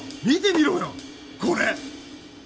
見てみろよこれ。